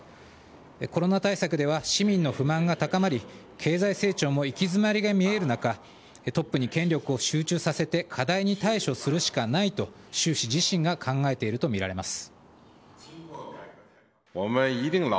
コロナ対策では市民の不満が高まり経済成長も行き詰まりが見える中トップに権力を集中させて課題に対処するしかないと習氏自身が考えているとみられます。